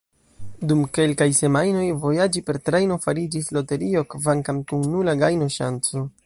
Dum kelkaj semajnoj vojaĝi per trajno fariĝis loterio – kvankam kun nula gajno-ŝanco.